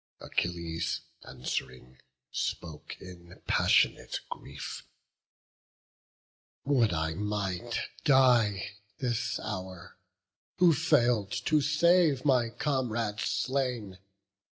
Achilles, answ'ring, spoke in passionate grief: "Would I might die this hour, who fail'd to save My comrade slain!